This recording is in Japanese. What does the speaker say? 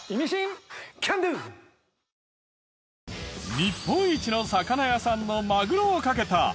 日本一の魚屋さんのマグロをかけた。